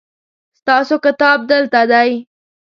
ستاسو کتاب دلته دی